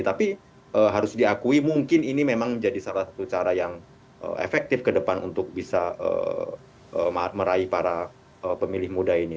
tapi harus diakui mungkin ini memang menjadi salah satu cara yang efektif ke depan untuk bisa meraih para pemilih muda ini